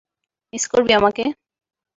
Miss করবি আমাকে?